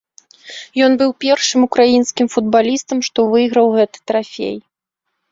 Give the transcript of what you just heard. Ён быў першым украінскім футбалістам, што выйграў гэты трафей.